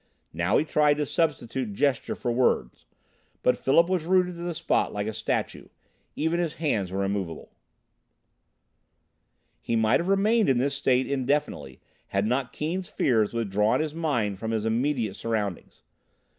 Now he tried to substitute gesture for words, but Philip was rooted to the spot like a statue; even his hands were immovable. He might have remained in this state indefinitely had not Keane's fears withdrawn his mind from his immediate surroundings.